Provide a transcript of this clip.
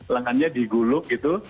lengannya digulung gitu